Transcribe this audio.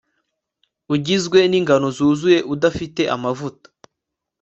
ugizwe ningano zuzuye udafite amavuta